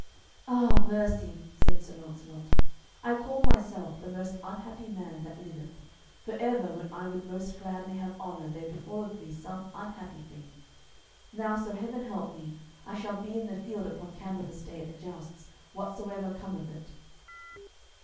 "Ah, mercy," said Sir Launcelot, "I call myself the most unhappy man that liveth; for ever when I would most gladly have honour there befalleth me some unhappy thing. Now, so heaven help me, I shall be in the field upon Candlemas Day at the jousts, whatsoever come of it."